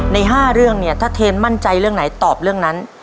ใน๕เรื่องเนี่ยถ้าเทนมั่นใจเรื่องไหนตอบเรื่องนั้น